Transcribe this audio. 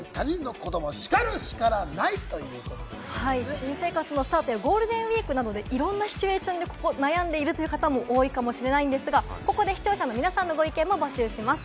新生活のスタートやゴールデンウイークなどで、いろんなシチュエーションでここ、悩んでいる方も多いかもしれないんですが、視聴者の皆さんのご意見も募集します。